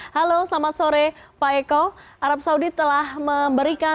halo selamat sore pak eko arab saudi telah memberikan